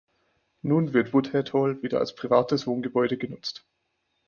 Nun wird "Woodhead Hall" wieder als privates Wohngebäude genutzt.